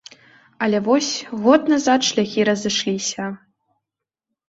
Але вось, год назад шляхі разышліся.